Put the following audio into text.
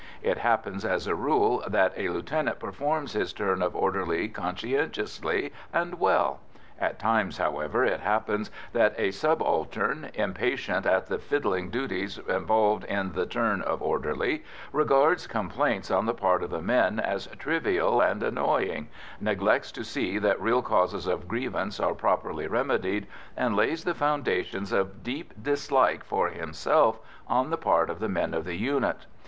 It happens as a rule that a lieutenant performs his turn of orderly conscientiously and well; at times, however, it happens that a subaltern, impatient at the fiddling duties involved in the turn of orderly, regards complaints on the part of the men as trivial and annoying, neglects to see that real causes of grievance are properly remedied, and lays the foundations of deep dislike for himself on the part of the men of the unit.